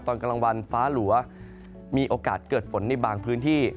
ตอนกลางวันฟ้าหลัวมีโอกาสเกิดฝนในบางพื้นที่